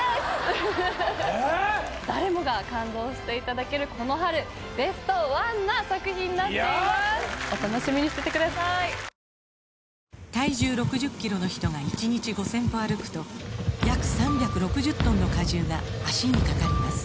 フフフフ誰もが感動していただけるこの春ベストワンな作品になっていますお楽しみにしててください体重６０キロの人が１日５０００歩歩くと約３６０トンの荷重が脚にかかります